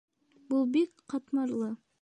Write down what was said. Был бик ҡатмарлы.